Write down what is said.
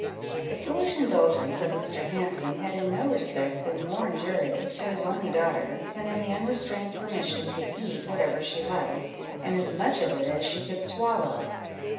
The foolish indulgence of Mr. Hanson had in no respect been more injurious to his only daughter, than in the unrestrained permission to eat whatever she liked, and as much of it as she could swallow.